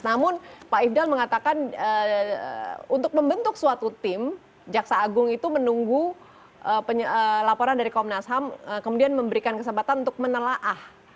namun pak ifdal mengatakan untuk membentuk suatu tim jaksa agung itu menunggu laporan dari komnas ham kemudian memberikan kesempatan untuk menelaah